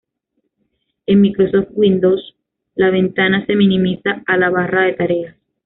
En Microsoft Windows, las ventanas se minimizan a la barra de tareas.